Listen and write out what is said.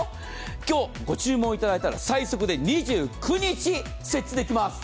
今日ご注文いただいたら最速で２９日に設置できます。